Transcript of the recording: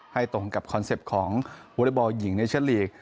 ตรงกับคอนเซ็ปต์ของวอเล็กบอลหญิงเนชั่นลีก